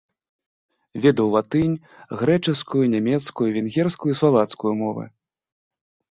Ведаў латынь, грэчаскую, нямецкую, венгерскую і славацкую мовы.